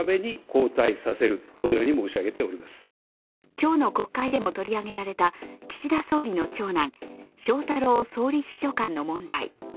今日の国会でも取り上げられた岸田総理の長男翔太郎総理秘書官の問題。